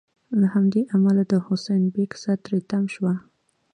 له همدې امله د حسین بېګ سا تری تم شوه.